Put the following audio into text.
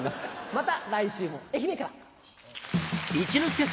また来週も愛媛から！